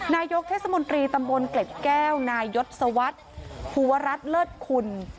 นายกเทศมนตรีตำบลเกล็ดแก้วนายยศวรรษภูวรัฐเลิศคุณ